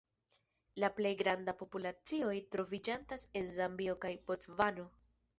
La plej grandaj populacioj troviĝantas en Zambio kaj Bocvano.